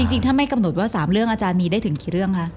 จริงถ้าไม่กำหนดว่า๓เรื่องอาจารย์มีได้ถึงกี่เรื่องคะ